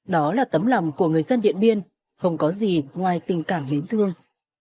đó là tấm lòng của người dân điện biên không có gì ngoài tình cảm mến thương